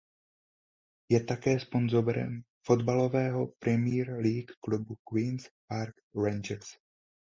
Je také sponzorem fotbalového Premier League klubu Queens Park Rangers.